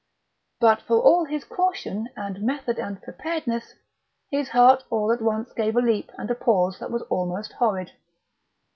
But for all his caution and method and preparedness, his heart all at once gave a leap and a pause that was almost horrid.